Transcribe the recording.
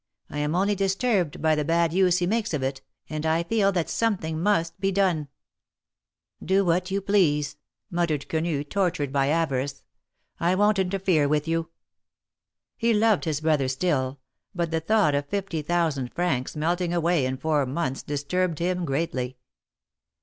I am only disturbed by the bad use he makes of it, and I feel that something must be done." "Do what you please!" muttered Quenu, tortured by avarice. " I won't interfere with you." lie loved his brother still, but the thought of fifty thousand francs melting away in four months disturbed him greatly.